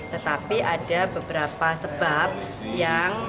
tetapi ada beberapa sebab yang